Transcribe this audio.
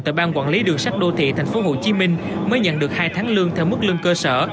tại ban quản lý đường sắt đô thị tp hcm mới nhận được hai tháng lương theo mức lương cơ sở